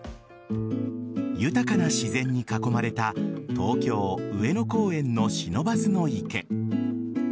豊かな自然に囲まれた東京・上野公園の不忍池。